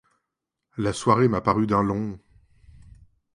La soirée m'a paru d'un long !